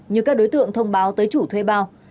như các đối tượng thông báo tới chủ thuê bao